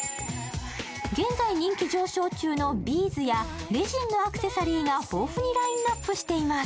現在人気上昇中のビーズやレジンのアクセサリーが豊富にラインナップしています。